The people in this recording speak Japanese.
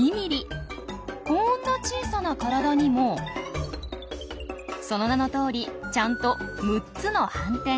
こんな小さな体にもその名のとおりちゃんと６つの斑点。